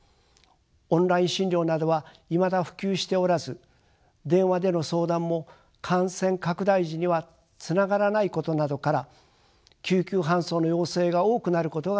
オンライン診療などはいまだ普及しておらず電話での相談も感染拡大時にはつながらないことなどから救急搬送の要請が多くなることが予想されます。